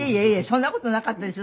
そんな事なかったですよ。